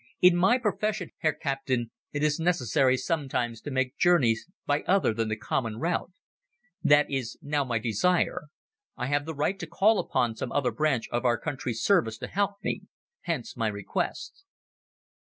"In my profession, Herr Captain, it is necessary sometimes to make journeys by other than the common route. That is now my desire. I have the right to call upon some other branch of our country's service to help me. Hence my request."